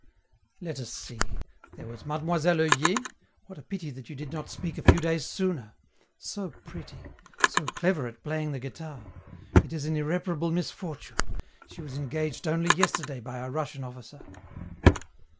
"Let us see there was Mademoiselle Oeillet. What a pity that you did not speak a few days sooner! So pretty! So clever at playing the guitar! It is an irreparable misfortune; she was engaged only yesterday by a Russian officer.